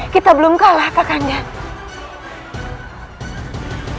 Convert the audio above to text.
kita belum kalah kak kandas